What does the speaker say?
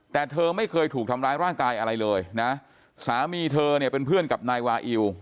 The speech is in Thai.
แต่เธอไม่เคยถูกทำร้ายร่างกายอะไรเลยนะสามีเธอเนี่ยเป็นเพื่อนกับนายวาอิว